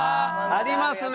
ありますね。